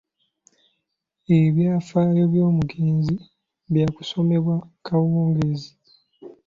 Ebyafaayo by'omugenzi byakusomebwa kawungeezi.